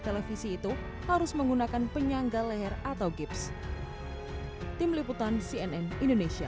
televisi itu harus menggunakan penyangga leher atau gips tim liputan cnn indonesia